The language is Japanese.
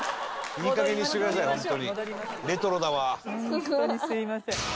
ホントにすいません。